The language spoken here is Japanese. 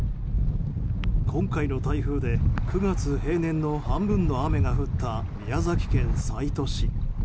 今回の台風で９月平年の半分の雨が降った宮崎県西都市。